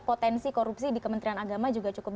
potensi korupsi di kementerian agama